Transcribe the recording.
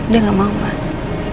dia gak mau mas